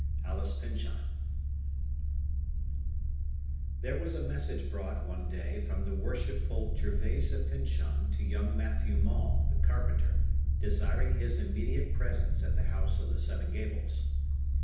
Alice Pyncheon There was a message brought, one day, from the worshipful Gervayse Pyncheon to young Matthew Maule, the carpenter, desiring his immediate presence at the House of the Seven Gables.